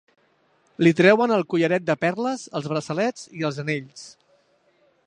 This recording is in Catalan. Li treien el collaret de perles, els braçalets i els anells.